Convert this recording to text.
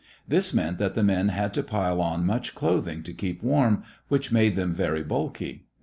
This meant that the men had to pile on much clothing to keep warm, which made them very bulky.